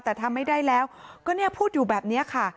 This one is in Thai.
แต่ทำไม่ได้แล้วก็เนี่ยพูดอยู่แบบนี้ค่ะ